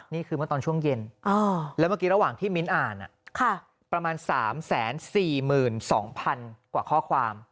นี่คือเมื่อตอนช่วงเย็นแล้วเมื่อกี้ระหว่างที่มิ้นอ่านประมาณ๓๔๒๐๐๐กว่าข้อความ